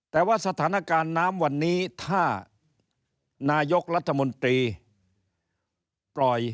แต่ว่าสถานการณ์น้ำวันนี้ถ้านายกรัฐมนตรีปล่อย